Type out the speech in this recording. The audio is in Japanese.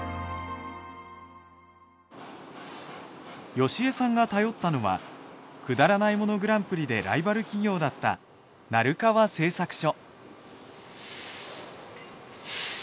好江さんが頼ったのはくだらないものグランプリでライバル企業だった生川製作所。